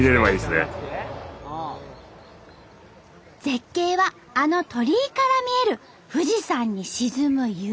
絶景はあの鳥居から見える富士山に沈む夕日。